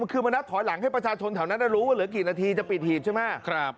คุณผู้ชมนักถอยหลังให้ประชาชนแถวนั้นได้รู้ว่าเหลือกี่นาทีจะปิดหีบใช่ไหมครับ